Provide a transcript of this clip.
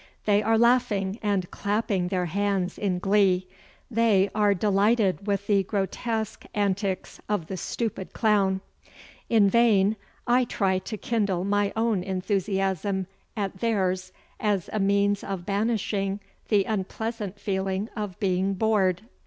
They are laughing and clapping their hands in glee. They are delighted with the grotesque antics of the stupid clown. In vain I try to kindle my own enthusiasm at theirs as a means of banishing the unpleasant feeling of being bored.